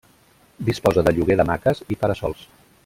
Disposa de lloguer d'hamaques i para-sols.